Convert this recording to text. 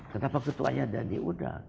kenapa ketuanya ada di udang